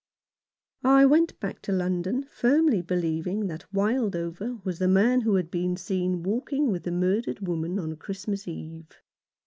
I went back to London firmly believing that Wildover was the man who had been seen walking with the murdered woman on Christmas Eve.